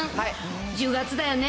１０月だよね。